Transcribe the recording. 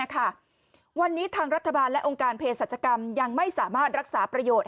วันนี้ทางรัฐบาลและองค์การเพศรัชกรรมยังไม่สามารถรักษาประโยชน์